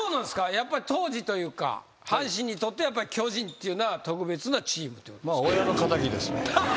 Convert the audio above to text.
やっぱり当時というか阪神にとって巨人というのは特別なチームということですか？